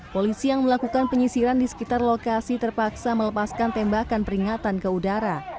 polisi yang melakukan penyisiran di sekitar lokasi terpaksa melepaskan tembakan peringatan ke udara